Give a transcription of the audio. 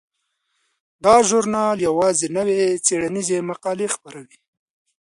دا ژورنال یوازې نوې څیړنیزې مقالې خپروي.